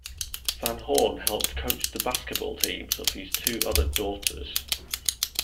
Van Horn helped coach the basketball teams of his two other daughters.